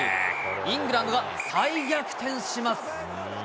イングランドが再逆転します。